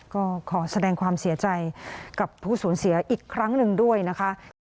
ก็ขอแสดงความเสียใจกับผู้สูญเสียอีกครั้งหนึ่งด้วยนะคะ